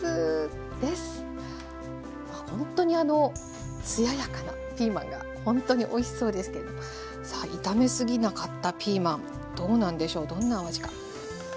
ほんとにあの艶やかなピーマンがほんとにおいしそうですけれどもさあ炒め過ぎなかったピーマンどうなんでしょうどんなお味か。